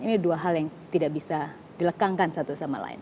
ini dua hal yang tidak bisa dilekangkan satu sama lain